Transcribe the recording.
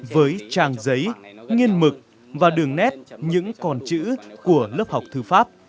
với trang giấy nghiên mực và đường nét những con chữ của lớp học thư pháp